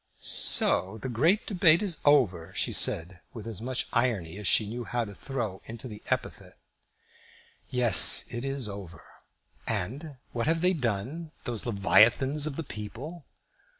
"So the great debate is over," she said, with as much of irony as she knew how to throw into the epithet. "Yes; it is over." "And what have they done, those leviathans of the people?"